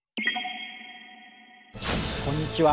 こんにちは。